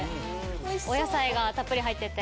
お野菜がたっぷり入ってて。